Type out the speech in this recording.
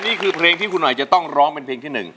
นี่คือเพลงที่คุณหน่อยจะต้องร้องเป็นเพลงที่๑